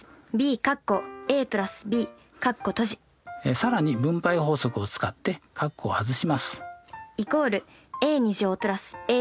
更に分配法則を使って括弧を外します。